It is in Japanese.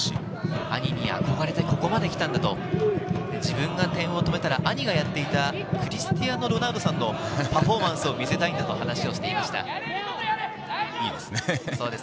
兄に憧れてここまで来たんだと自分が点を取れたら兄がやっていたクリスティアーノ・ロナウドさんのパフォーマンスを見せたいと話しています。